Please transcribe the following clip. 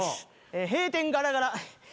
閉店ガラガラ。